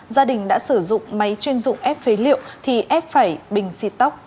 gia đình đã sử dụng máy chuyên dụng ép phế liệu thì ép phải bình xịt tóc